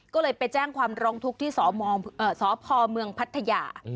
ก็เลยไปแจ้งความร้องทุกข์ที่สพเมืองพัทยา